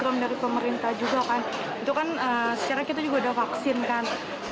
dan sebenarnya ini program dari pemerintah juga kan itu kan secara kita juga sudah vaksin kan